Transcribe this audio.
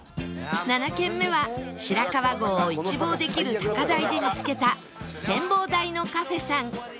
７軒目は白川郷を一望できる高台で見つけたてんぼうだいのカフェさん